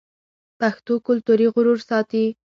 پښتو کلتوري غرور ساتي.